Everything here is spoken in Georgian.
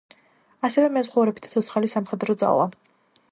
ასევე მეზღვაურები და ცოცხალი სამხედრო ძალა.